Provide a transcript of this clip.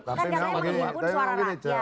tapi saya mengingatkan suara rakyat